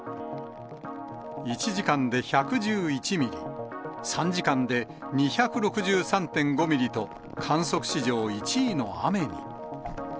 １時間で１１１ミリ、３時間で２６３．５ミリと、観測史上１位の雨に。